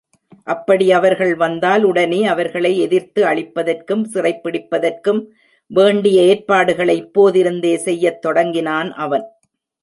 அப்படி அவர்கள் வந்தால் உடனே அவர்களை எதிர்த்து அழிப்பதற்கும் சிறைப்பிடிப்பதற்கும் வேண்டிய ஏற்பாடுகளை இப்போதிருந்தே செய்யத் தொடங்கினான் அவன்.